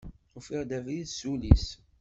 Ufiɣ-d abrid s ul-is.